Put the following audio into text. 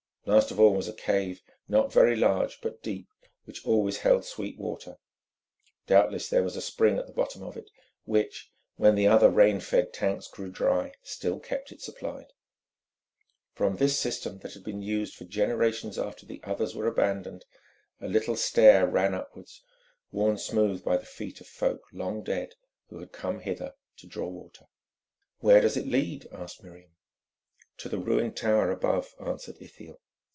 Last of all was a cave, not very large, but deep, which always held sweet water. Doubtless there was a spring at the bottom of it, which, when the other rain fed tanks grew dry, still kept it supplied. From this cistern that had been used for generations after the others were abandoned, a little stair ran upwards, worn smooth by the feet of folk long dead, who had come hither to draw water. "Where does it lead?" asked Miriam. "To the ruined tower above," answered Ithiel.